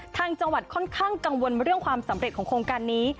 ทางจังหวัดค่อนข้างกังวลเรื่องความสำเร็จของโครงการนี้